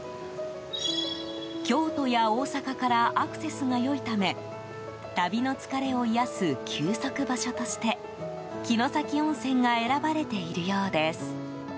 京都や大阪からアクセスが良いため旅の疲れを癒やす休息場所として城崎温泉が選ばれているようです。